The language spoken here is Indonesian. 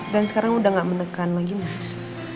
dan sekarang sudah tidak menekan lagi mas